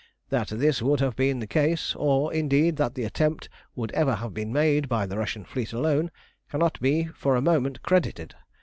That this would have been the case, or, indeed, that the attempt would ever have been made by the Russian fleet alone, cannot be for a moment credited.